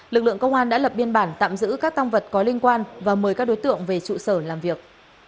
lực lượng công an đã lập biên bản tạm giữ các tăng vật có liên quan và mời các đối tượng về trụ sở làm việc